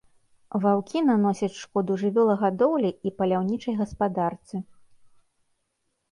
Ваўкі наносіць шкоду жывёлагадоўлі і паляўнічай гаспадарцы.